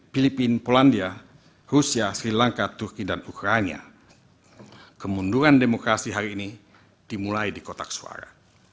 filipina polandia rusia sri lanka turki dan ukraina kemunduran demokrasi hari ini dimulai di kotak suara